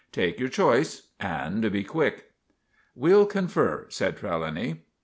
Take your choice and be quick." "We'll confer," said Trelawny.